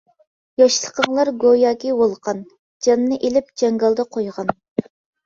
ياشلىقىڭلار گوياكى ۋولقان، جاننى ئېلىپ جاڭگالدا قويغان.